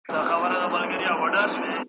ځوان له سپي څخه بېحده په عذاب سو .